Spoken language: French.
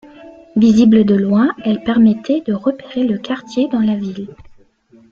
Visible de loin, elle permettait de repérer le quartier dans la ville.